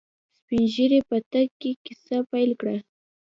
سپينږيري په تګ کې کيسه پيل کړه.